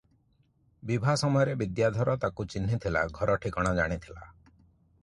ବିଭା ସମୟରେ ବିଦ୍ୟାଧର ତାକୁ ଚିହ୍ନିଥିଲା, ଘର ଠିକଣା ଜାଣିଥିଲା ।